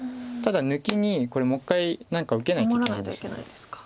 ただ抜きにこれもう一回何か受けなきゃいけないんです。